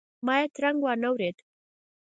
ما یې ترنګ وانه ورېد.